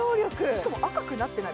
しかも赤くなってない。